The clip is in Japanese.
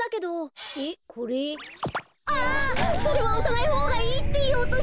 それはおさないほうがいいっていおうとしたのに。